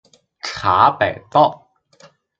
茶百道